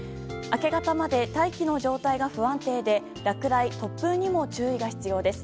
明け方まで大気の状態が不安定で落雷、突風にも注意が必要です。